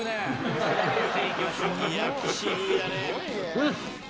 うん！